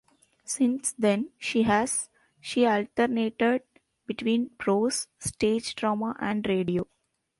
Since then, she has she alternated between prose, stage drama and radio.